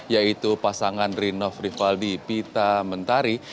yaitu pasangan rinov rivaldi pita mentari